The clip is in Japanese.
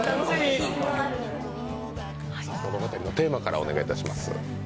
物語のテーマからお願いします。